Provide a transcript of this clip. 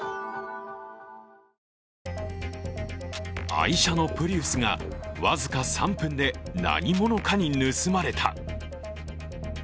愛車のプリウスが僅か３分で、何者かに盗まれた。